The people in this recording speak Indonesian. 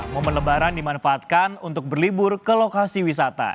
momen lebaran dimanfaatkan untuk berlibur ke lokasi wisata